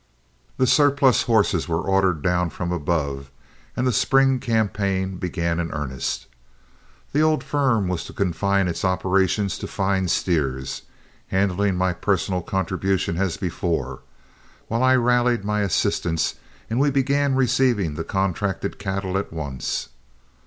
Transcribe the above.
The surplus horses were ordered down from above, and the spring campaign began in earnest. The old firm was to confine its operations to fine steers, handling my personal contribution as before, while I rallied my assistants, and we began receiving the contracted cattle at once.